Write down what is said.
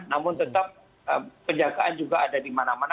namun tetap penjagaan juga ada di mana mana